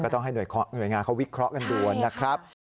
ต้องให้หน่วยงานเขาวิเคราะห์กันดูนะครับ